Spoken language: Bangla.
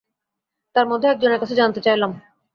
তাঁর মধ্যে একজনের কাছে জানতে চাইলাম।